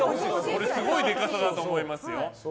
すごいでかさだと思いますよ。